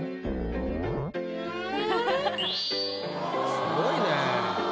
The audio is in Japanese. すごいね。